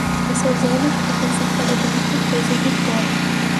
os seus olhos a pensar para dentro coisas de fora